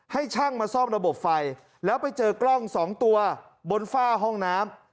ให้ช่างมาซ่อมระบบไฟแล้วไปเจอกล้องสองตัวบนฝ้าห้องน้ำ